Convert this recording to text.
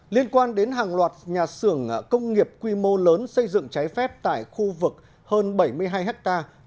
liên quan đến hàng loạt nhà xưởng công nghiệp quy mô lớn xây dựng trái phép tại khu vực hơn bảy mươi hai hectare